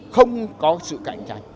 không có sự cạnh tranh